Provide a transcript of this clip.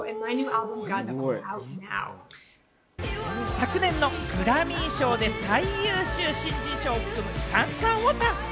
昨年のグラミー賞で最優秀新人賞を含む３冠を達成。